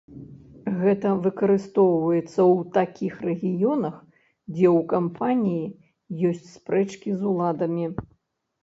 Гэта выкарыстоўваецца ў такіх рэгіёнах, дзе ў кампаніі ёсць спрэчкі з уладамі.